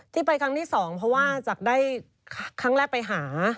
ไปครั้งที่สองเพราะว่าจากได้ครั้งแรกไปหา